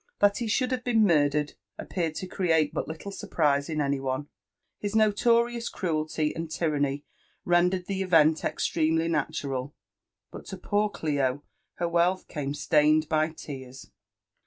That he should have been murdered appeared to create but little surprise in any one— his notorious cruelty and tyranny rendered the event extremely natu ral ; to poor Clio her wealth came stained by tears.